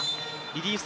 リリーフ